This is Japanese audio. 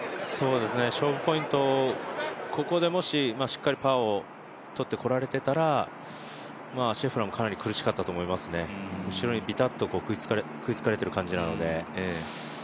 勝負ポイント、ここでもししっかりパーをとってこられてたらシェフラーもかなり苦しかったと思いますね、後ろにビタッと食いつかれている感じなので。